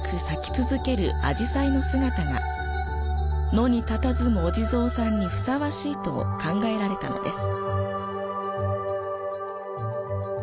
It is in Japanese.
野にたたずむお地蔵さんにふさわしいと考えられたのです。